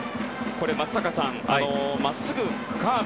松坂さん、まっすぐカーブ。